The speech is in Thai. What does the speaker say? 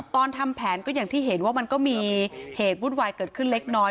ตอนทำแผนก็อย่างที่เห็นว่ามันก็มีเหตุวุ่นวายเกิดขึ้นเล็กน้อย